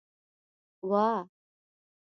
وه